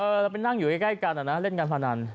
เราไปนั่งอยู่ใกล้กันอ่ะนะเล่นการพนัน